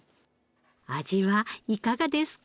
味はいかがですか？